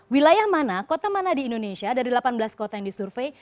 wilayah mana kota mana di indonesia dari delapan belas kota yang disurvey